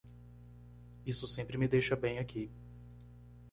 Isso sempre me deixa bem aqui.